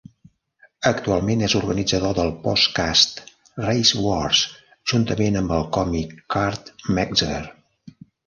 Actualment, és organitzador del podcast "Race Wars" juntament amb el còmic Kurt Metzger.